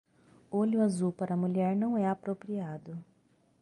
Olho azul para mulher não é apropriado.